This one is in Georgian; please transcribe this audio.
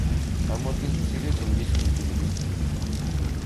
წარმოადგენს მცირე ზონდის კუნძულების ნაწილს.